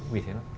vì thế đó